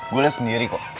gue liat sendiri kok